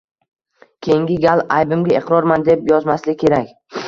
Keyingi gal «Aybimga iqrorman» deb yozmaslik kerak.